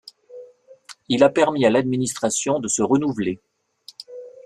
Il a permis à l'administration de se renouveler.